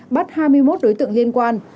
bắt hai mươi một đối tượng liên quan